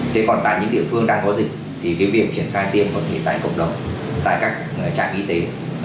thế còn tại những địa phương đang có dịch thì việc triển khai tiêm có thể tại cộng đồng tại các trạm y tế